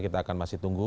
kita akan masih tunggu